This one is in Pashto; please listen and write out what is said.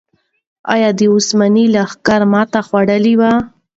آیا د عثماني لښکرو ماتې خوړلې وه؟